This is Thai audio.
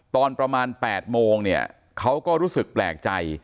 ตอนประมาณ๘โมงเนี่ยเขาก็รู้สึกแปลกใจ